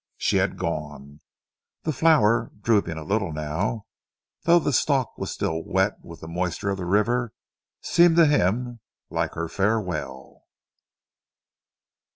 She had gone. The flower, drooping a little now though the stalk was still wet with the moisture of the river, seemed to him like her farewell.